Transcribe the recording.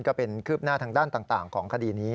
ก็เป็นคืบหน้าทางด้านต่างของคดีนี้